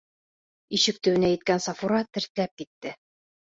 Ишек төбөнә еткән Сафура тертләп китте.